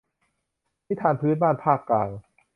นิทานพื้นบ้านภาคกลาง